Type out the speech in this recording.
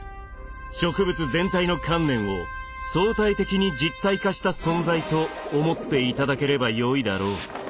植物全体の観念を総体的に実体化した存在と思っていただければよいだろう。